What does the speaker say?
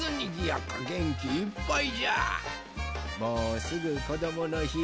もうすぐこどものひ。